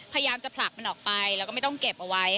พยายามจะผลักมันออกไปแล้วก็ไม่ต้องเก็บเอาไว้